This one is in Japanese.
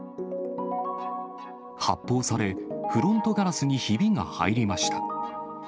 発砲され、フロントガラスにひびが入りました。